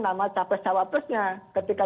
nama capres cawapresnya ketika